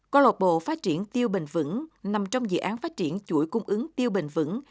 câu lạc bộ phát triển tiêu bình vững nằm trong dự án phát triển chuỗi cung ứng tiêu bình vững